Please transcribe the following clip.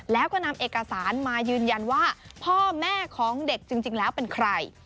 แล้วก็นำเอกสารมายืนยันว่าพ่อแม่ของเด็กจริงแล้วเป็นใคร